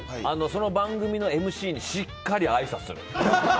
その番組のＭＣにしっかりあいさつする。